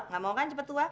nggak mau kan cepet tua